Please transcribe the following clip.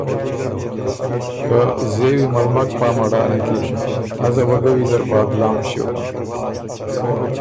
که ”زېوی مل مک پا مړانه کی ازه وه ګۀ ویزر بادلام ݭیوکم“